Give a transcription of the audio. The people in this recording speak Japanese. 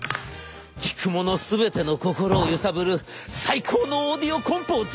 「聴く者全ての心を揺さぶる最高のオーディオコンポを作るんだ！」。